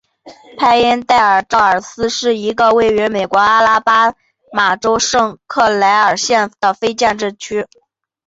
派因代尔绍尔斯是一个位于美国阿拉巴马州圣克莱尔县的非建制地区。